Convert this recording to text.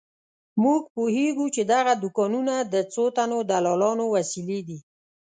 موږ پوهېږو چې دغه دوکانونه د څو تنو دلالانو وسیلې دي.